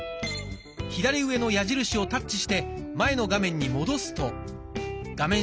左上の矢印をタッチして前の画面に戻すと画面